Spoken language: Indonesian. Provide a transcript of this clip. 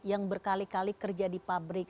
yang berkali kali kerja di pabrik